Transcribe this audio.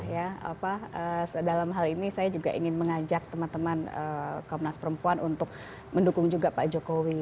ya apa dalam hal ini saya juga ingin mengajak teman teman komnas perempuan untuk mendukung juga pak jokowi